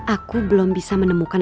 aku belum bisa menemukan